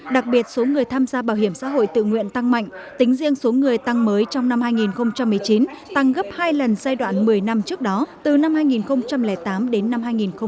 đặc biệt số người tham gia bảo hiểm xã hội tự nguyện tăng mạnh tính riêng số người tăng mới trong năm hai nghìn một mươi chín tăng gấp hai lần giai đoạn một mươi năm trước đó từ năm hai nghìn tám đến năm hai nghìn một mươi